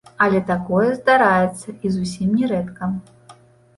Але такое здараецца і зусім не рэдка.